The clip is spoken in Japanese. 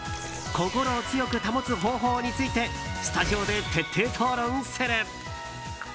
心を強く保つ方法についてスタジオで徹底討論する。